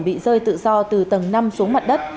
bị rơi tự do từ tầng năm xuống mặt đất